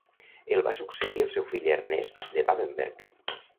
El va succeir el seu fill Ernest de Babenberg.